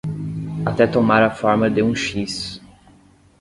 até tomar a forma de um X